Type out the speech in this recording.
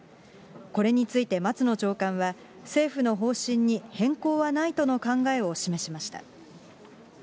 これについて、松野長官は、政府の方針に変更はないとの考えを示しました。